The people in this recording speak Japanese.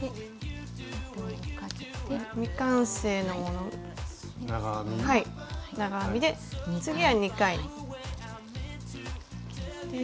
未完成の長編みで次は２回。